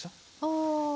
ああ。